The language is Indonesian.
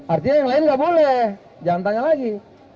artinya yang lain nggak boleh jangan tanya lagi